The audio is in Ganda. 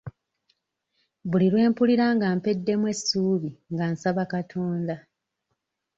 Buli lwe mpulira nga mpeddemu essuubi nga nsaba Katonda.